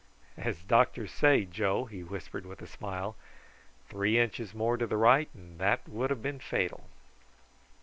"As doctors say, Joe," he whispered with a smile, "three inches more to the right and that would have been fatal."